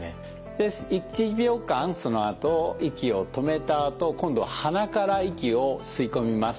で１秒間そのあと息を止めたあと今度は鼻から息を吸い込みます。